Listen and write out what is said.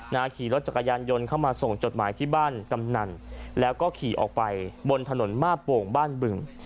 ขี่รถจักรยานยนต์เข้ามาส่งจดหมายที่บ้านกำนันแล้วก็ขี่ออกไปบนถนนมาบโป่งบ้านบึง